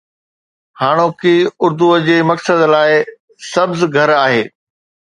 هاڻوڪي اردوءَ جي مقصد لاءِ سبز گهر آهي